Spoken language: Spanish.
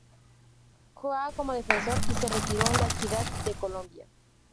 Jugaba como defensor y se retiró en La Equidad de Colombia.